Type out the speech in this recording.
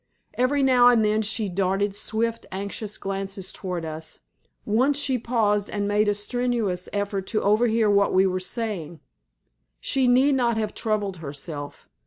Every now and then she darted swift, anxious glances towards us, once she paused and made a strenuous effort to overhear what we were saying. She need not have troubled herself.